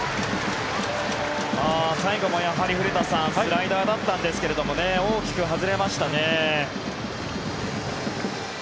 最後も、古田さんスライダーだったんですけど大きく外れましたね。